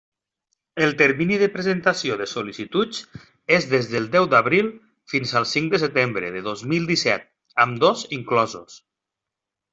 El termini de presentació de sol·licituds és des del deu d'abril fins al cinc de setembre de dos mil disset, ambdós inclosos.